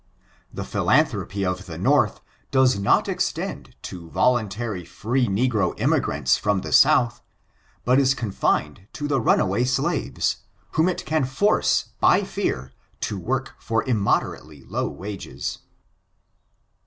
The philanthropy of the North does not extend to voluntary free negro emigrants from the South, but is confined to the runaway slaves, whom it can force by fear to work for immoderately low wages.'